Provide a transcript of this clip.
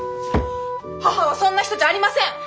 母はそんな人じゃありません！